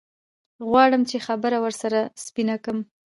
غواړم چې خبره ورسره سپينه کم.